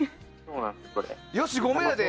よっし、ごめんやで。